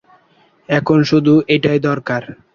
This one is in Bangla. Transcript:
এখন শুধু এটাই দরকার।